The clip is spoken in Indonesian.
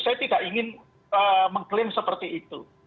saya tidak ingin mengklaim seperti itu